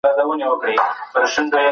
د دلارام تر مځکي لاندي اوبه ډېري خوږې دي.